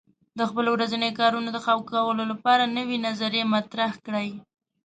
د خپلو ورځنیو کارونو د ښه کولو لپاره نوې نظریې مطرح کړئ.